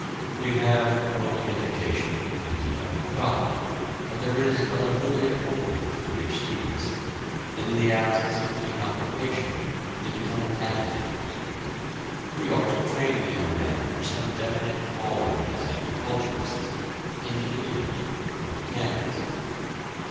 We have in promoting education in India forgotten that there is but a limited opening for mere students, and in the absence of fitting occupation they become agitators. We ought to train the young men for some definite calling as agriculturists, engineers, or mechanics.